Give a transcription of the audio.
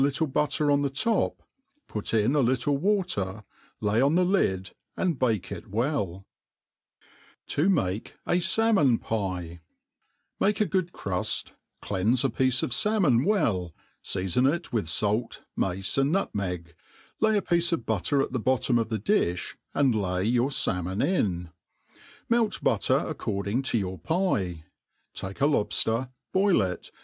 e butter on the top, put in a little water, lay on the lid, and bake it well. To §34 TH« ART OP COOKERY ^ To tnake s SabnoffPiff MAKE t good crufty cleanre a piece of falmon well, fetroif It with (alt, macep and Dutmeg, lav a piece of butter at the bottom of the di(b, and l^y your ralmon in. Melt butter ac* cording to your pie ; take a lobfter, boil it.